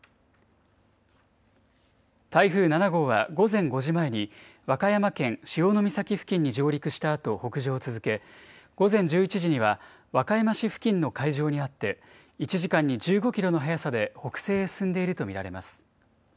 台風７号は、午前５時前に和歌山県潮岬付近に上陸したあと北上を続け、午前１１時には和歌山市付近の海上にあって、１時間に１５キロの速さで北西へ進んでいると見られます。